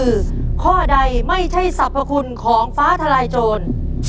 คือข้อใดไม่ใช่สรรพคุณของฟ้าทลายโจร